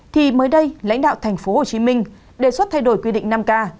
thì mới đây lãnh đạo tp hcm đề xuất thay đổi quy định năm k